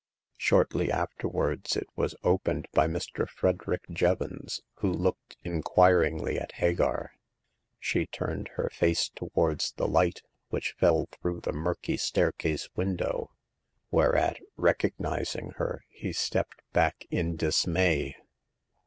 Shortly afterwards it was opened by Mr. Frederick Jevons, who looked in quiringly at Hagar. She turned her face towards the light which fell through the murky staircase window, whereat, recognizing her, he stepped back in dismay.